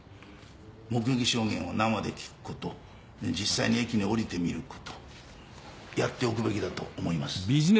目撃証言を生で聞くこと実際に駅で降りてみることやっておくべきだと思います。